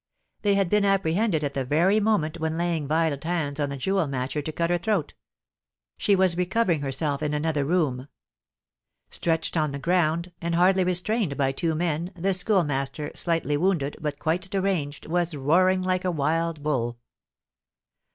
They had been apprehended at the very moment when laying violent hands on the jewel matcher to cut her throat. She was recovering herself in another room. Stretched on the ground, and hardly restrained by two men, the Schoolmaster, slightly wounded, but quite deranged, was roaring like a wild bull.